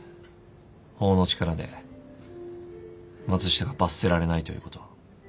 法の力で松下が罰せられないということは。